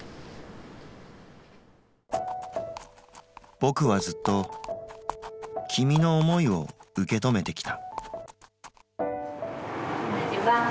ぼくはずっときみの思いを受け止めてきた。